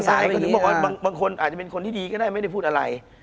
ก็ใช่ค่ะบางคนอาจจะเป็นคนที่ดีก็ได้ไม่ได้พูดอะไร